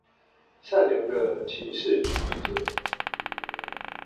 善良的歧視主義者